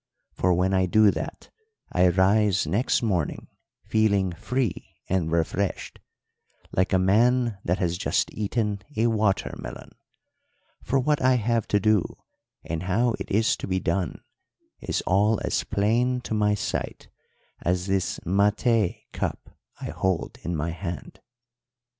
For when I do that, I rise next morning feeling free and refreshed, like a man that has just eaten a water melon; for what I have to do and how it is to be done is all as plain to my sight as this maté cup I hold in my hand.